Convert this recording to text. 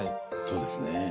そうですね。